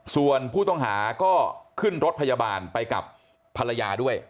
ส่วนผู้ต้องหาก็ขึ้นรถพยาบาลไปกับภรรยาด้วย